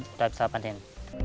sudah bisa dipanen